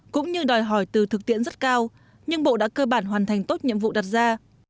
cũng như đòi hỏi từ thực tiễn rất cao nhưng bộ đã cơ bản hoàn thành tốt nhiệm vụ đặt ra